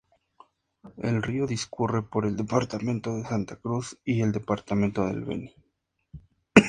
El río discurre por el departamento de Santa Cruz y el departamento del Beni.